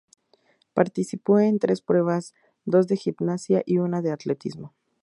Participó en tres pruebas, dos de gimnasia y una de atletismo.